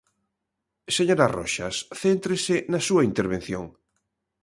Señora Roxas, céntrese na súa intervención.